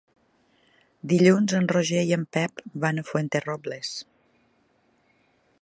Dilluns en Roger i en Pep van a Fuenterrobles.